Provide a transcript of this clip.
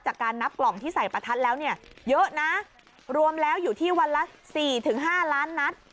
จากการนับกล่องที่ใส่ประทัดแล้วเนี่ยเยอะนะรวมแล้วอยู่ที่วันละ๔๕ล้านนัด